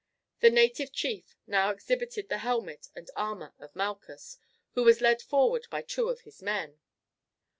The native chief now exhibited the helmet and armour of Malchus, who was led forward by two of his men.